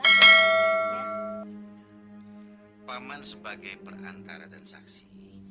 paman sebagai perantara dan saksi